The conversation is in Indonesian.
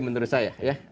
menurut saya ya